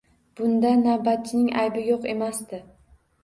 Bunda navbatchining aybi yo`q emasdi